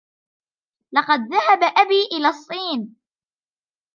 لقد ذهب أبي إلى الصين.